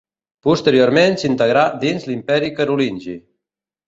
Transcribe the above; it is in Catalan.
Posteriorment s'integrà dins l'Imperi Carolingi.